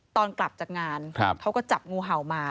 ตอนกลับจากงานเขาก็จับงูเห่ามา